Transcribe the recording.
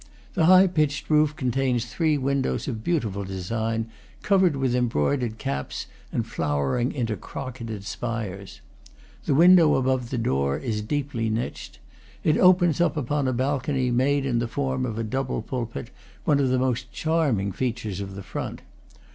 The high pitched roof contains three windows of beautiful design, covered with embroidered caps and flowering into crocketed spires. The window above the door is deeply niched; it opens upon a balcony made in the form of a double pulpit, one of the most charm ing features of the front.